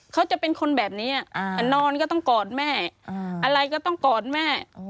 เขาจะเป็นคนแบบนี้นอนก็ต้องกอดแม่อะไรก็ต้องกอดแม่